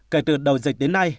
kể từ đầu dịch đến nay